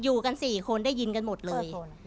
อยู่กัน๔คนได้ยินกันหมดเลย